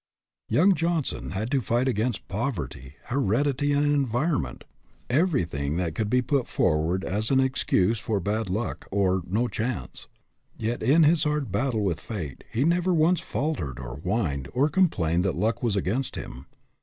Young Johnson had to fight against poverty, heredity and environment everything that could be put forward as an excuse for " bad luck," or " no chance," yet in his hard battle with fate he never once fal tered, or whined, or complained that luck was against him.